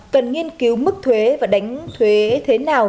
cần nghiên cứu mức thuế và đánh thuế thế nào